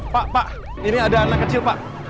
pak pak ini ada anak kecil pak